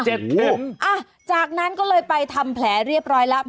อ่ะจากนั้นก็เลยไปทำแผลเรียบร้อยแล้ว